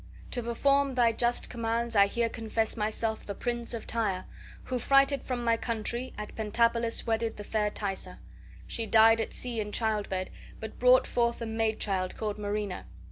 to perform thy just commands I here confess myself the Prince of Tyre, who, frighted from my country, at Pentapolis wedded the fair Thaisa. She died at sea in childbed, but brought forth a maid child called Marina.